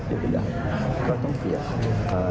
ไม่ต้องเปลี่ยน